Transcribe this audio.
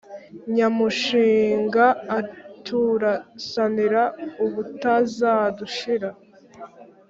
nyamushinga aturasanira ubutazadushira,